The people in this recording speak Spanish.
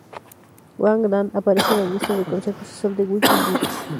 Wang Dan aparece en la lista del Consejo Asesor de WikiLeaks.